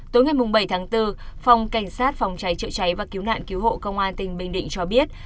tối ngày bảy tháng bốn phòng cảnh sát phòng cháy chữa cháy và cứu nạn cứu hộ công an tỉnh bình định cho biết